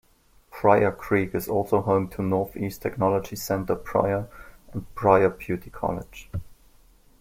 Pryor Creek is also home to Northeast Technology Center-Pryor and Pryor Beauty College.